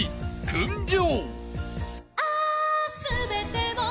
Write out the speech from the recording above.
『群青』］